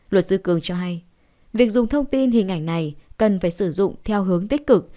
luật sư cường cho hay việc dùng thông tin hình ảnh này cần phải sử dụng theo hướng tích cực